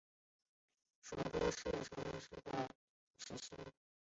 属贵州承宣布政使司。